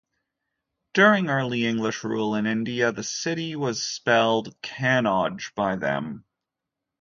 During early English rule in India, the city was spelled Cannodge by them.